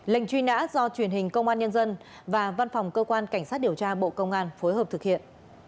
lệnh truy nã do truyền hình công an nhân dân và văn phòng cơ quan cảnh sát điều tra bộ công an phối hợp thực hiện